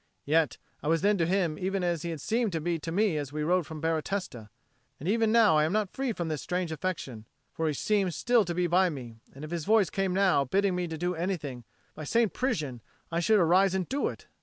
Yes, I was then to him even as he had seemed to be to me as we rode from Baratesta. And even now I am not free from this strange affection; for he seems still to be by me, and if his voice came now bidding me to do anything, by St. Prisian, I should arise and do it!